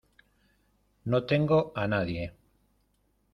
no tengo a nadie.